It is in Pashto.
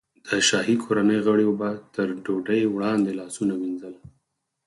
د شاهي کورنۍ غړیو به تر ډوډۍ وړاندې لاسونه وینځل.